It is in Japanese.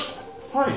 はい。